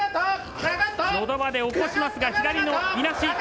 のどわで起こしますが、左のいなし。